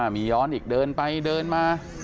มีย้อนอีกเดินไปเดินมา